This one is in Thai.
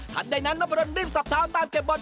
ถัดใดนั้นมันพร้อมรีบสับเท้าตามเก็บบท